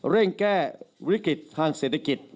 เร่งแก้วิกฤติทางเศรษฐกิจ